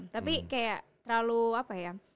tapi kayak terlalu apa ya